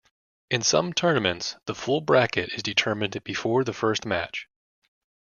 In some tournaments, the full bracket is determined before the first match.